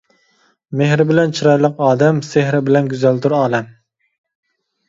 مېھرى بىلەن چىرايلىق ئادەم، سېھرى بىلەن گۈزەلدۇر ئالەم.